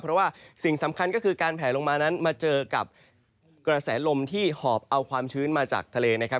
เพราะว่าสิ่งสำคัญก็คือการแผลลงมานั้นมาเจอกับกระแสลมที่หอบเอาความชื้นมาจากทะเลนะครับ